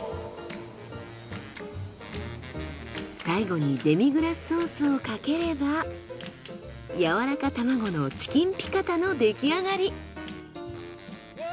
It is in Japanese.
最後にデミグラスソースをかければやわらか卵のチキンピカタの出来上がり。